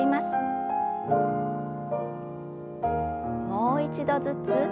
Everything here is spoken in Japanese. もう一度ずつ。